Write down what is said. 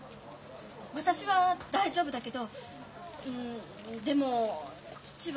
私は大丈夫だけどうんでも父は。